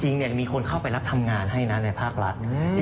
มีคนเข้าไปรับทำงานให้นะในภาครัฐ